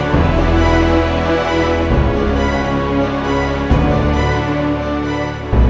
kita hanya bisa bersama sehari satu